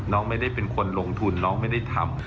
น้องไม่ได้เป็นคนลงทุนน้องไม่ได้ทำ